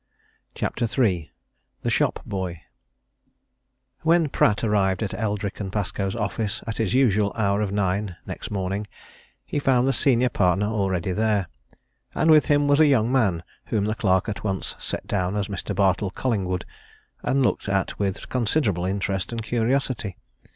CHAPTER III THE SHOP BOY When Pratt arrived at Eldrick & Pascoe's office at his usual hour of nine next morning, he found the senior partner already there. And with him was a young man whom the clerk at once set down as Mr. Bartle Collingwood, and looked at with considerable interest and curiosity.